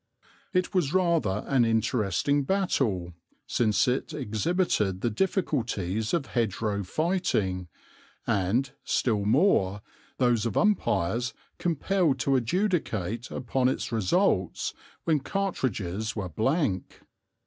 It was rather an interesting battle, since it exhibited the difficulties of hedgerow fighting, and, still more, those of umpires compelled to adjudicate upon its results when cartridges were blank.